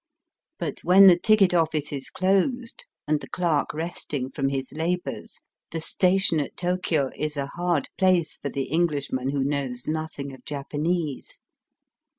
But when the ticket oflBce is closed and the clerk resting from his labours, the station at Tokio is a hard place for the Englishman who knows nothing of Japanese.